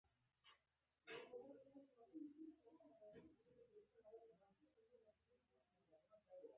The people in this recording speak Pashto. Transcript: پښتو ته د پام ورکول د یوې روښانه راتلونکې جوړولو لامل ګرځي.